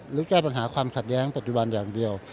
แก้ปัญหาความขัดแย้งปัจจุบันอย่างเดียว